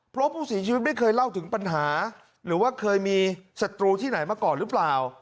เพราะผู้เสียชีวิตไม่เคยเล่าถึงปัญหาหรือว่าเคยมีศัตรูที่ไหนมาก่อนหรือเปล่า